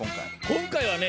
今回はね